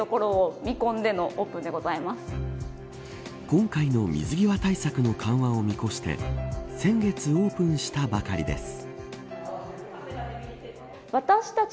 今回の水際対策の緩和を見越して先月オープンしたばかりです。